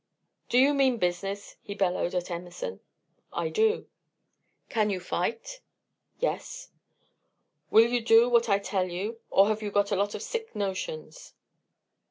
"Do you mean business?" he bellowed at Emerson. "I do." "Can you fight?" "Yes." "Will you do what I tell you, or have you got a lot of sick notions?"